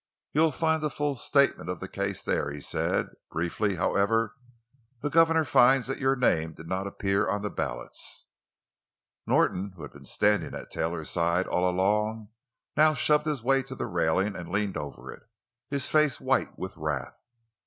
"You'll find a full statement of the case, there," he said. "Briefly, however, the governor finds that your name did not appear on the ballots." Norton, who had been standing at Taylor's side all along, now shoved his way to the railing and leaned over it, his face white with wrath.